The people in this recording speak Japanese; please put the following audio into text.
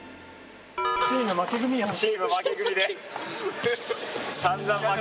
チーム負け組で。